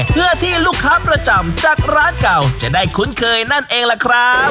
เพื่อที่ลูกค้าประจำจากร้านเก่าจะได้คุ้นเคยนั่นเองล่ะครับ